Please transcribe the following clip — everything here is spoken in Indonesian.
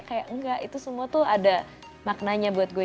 kayak enggak itu semua tuh ada maknanya buat gue